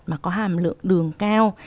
mà có hàm lượng đường cao